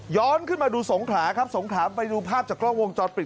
ขึ้นมาดูสงขลาครับสงขลาไปดูภาพจากกล้องวงจรปิด